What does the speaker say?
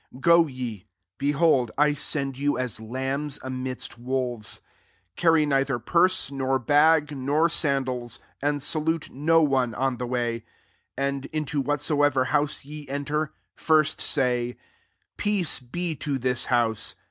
3 €k) ye : behold^ I settd fan, as lambs amidst wolves^ 4 Car* rj neither purse^ nor bag,' nor sandals ; and salute no one oo the way. 5 And^ into wliataeK ever house ye enter, first aay, < Peace be to this house.'